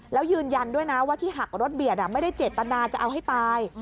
แล้วยืนยันด้วยนะว่าที่หักรถเบียดไม่ได้เจตนาจะเอาให้ตาย